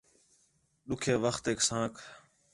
ݙُُِکّھے وختیک اسانک